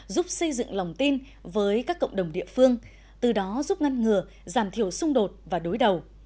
giúp xây dựng lòng tin với các cộng đồng địa phương từ đó giúp ngăn ngừa giảm thiểu xung đột và đối đầu